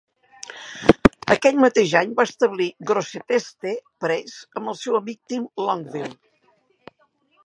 Aquell mateix any, va establir Grosseteste Press amb el seu amic Tim Longville.